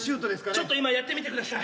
ちょっと今やってみてくだしゃい。